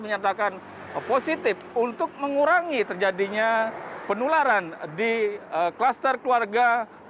menyatakan positif untuk mengurangi terjadinya penularan di kluster keluarga